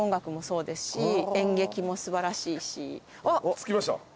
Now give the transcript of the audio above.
着きました。